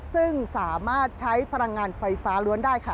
ซึ่งสามารถใช้พลังงานไฟฟ้าล้วนได้ค่ะ